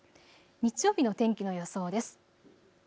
日曜日の天気の予想です。